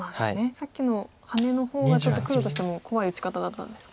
さっきのハネの方がちょっと黒としても怖い打ち方だったんですか。